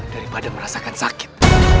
daripada merasakan sakit